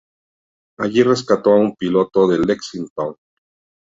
Allí rescató a un piloto del "Lexington".